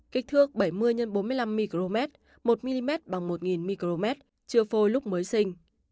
kích thước bảy mươi bốn mươi năm mm một mm bằng một mm chưa phôi lúc mới sinh